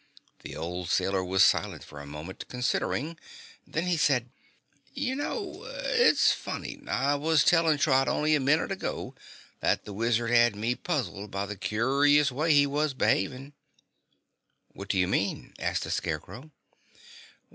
The old sailor was silent for a moment, considering. Then he said: "You know, it's funny; but I was tellin' Trot only a minute ago that the Wizard had me puzzled by the curious way he was behavin'." "What do you mean?" asked the Scarecrow.